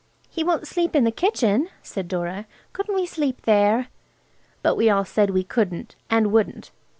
"He won't sleep in the kitchen," said Dora; "couldn't we sleep there?" But we all said we couldn't and wouldn't.